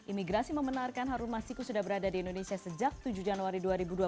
imigrasi membenarkan harun masiku sudah berada di indonesia sejak tujuh januari dua ribu dua puluh